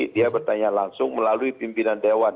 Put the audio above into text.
dia bertanya langsung melalui pimpinan dewan